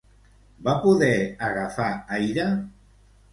Va poder agafar aire?